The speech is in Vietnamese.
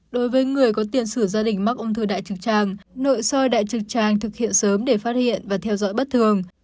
đối với người có tiền sử gia đình mắc ung thư đại trực tràng nội soi đại trực tràng thực hiện sớm để phát hiện và theo dõi bất thường